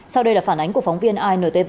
sau đây là phản ánh của phóng viên intv